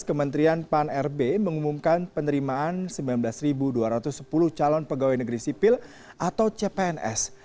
kementerian pan rb mengumumkan penerimaan sembilan belas dua ratus sepuluh calon pegawai negeri sipil atau cpns